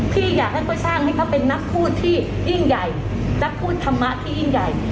พี่อยากให้เขาสร้างให้เขาเป็นนักพูดที่ยิ่งใหญ่นักพูดธรรมะที่ยิ่งใหญ่